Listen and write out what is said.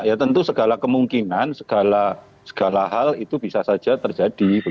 ya tentu segala kemungkinan segala hal itu bisa saja terjadi